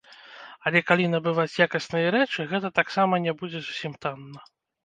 Але калі набываць якасныя рэчы, гэта таксама не будзе зусім танна.